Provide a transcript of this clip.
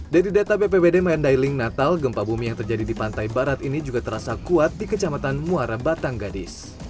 dari data bpbd mandailing natal gempa bumi yang terjadi di pantai barat ini juga terasa kuat di kecamatan muara batang gadis